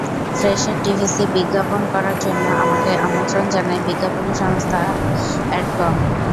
ফ্রেশের TVC বিজ্ঞাপন করার জন্য আমাকে আমন্ত্রণ জানায় বিজ্ঞাপনী সংস্থা অ্যাডকম।